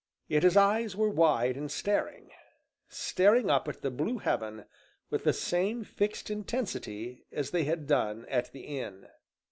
Yet his eyes were wide and staring staring up at the blue heaven with the same fixed intensity as they had done at the inn.